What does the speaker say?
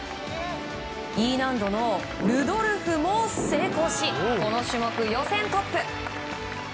Ｅ難度のルドルフも成功しこの種目、予選トップ。